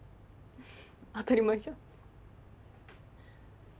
当たり前じゃん。